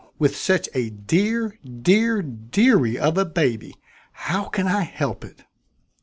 With such a dear, dear dearie of a baby, how can I help it?"